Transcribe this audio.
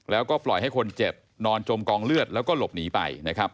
แล้วก็ปล่อยให้คนเจ็บนอนจมกองเลือดแล้วก็หลบหนีไปนะครับ